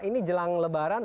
ini jelang lebaran